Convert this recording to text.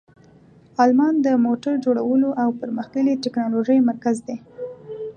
آلمان د موټر جوړولو او پرمختللې تکنالوژۍ مرکز دی.